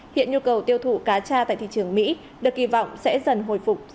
hiện nhu cầu tiêu thụ cá tra tại thị trường mỹ được kỳ vọng sẽ dần hồi phục